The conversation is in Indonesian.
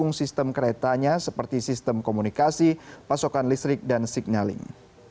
untuk mendukung sistem keretanya seperti sistem komunikasi pasokan listrik dan signaling